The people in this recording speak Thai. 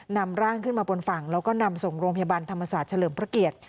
นำร่างขึ้นมาบนฝั่งแล้วก็นำส่งโรงพยาบาลธรรมศาสตร์เฉลิมพระเกียรติ